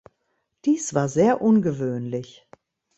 Dies war sehr ungewöhnlich.